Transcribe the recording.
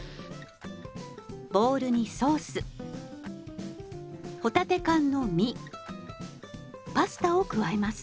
ボウルにソース帆立て缶の身パスタを加えます。